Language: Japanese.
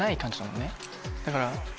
だから。